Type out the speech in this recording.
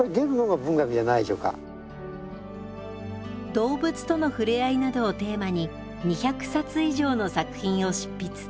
動物との触れ合いなどをテーマに２００冊以上の作品を執筆。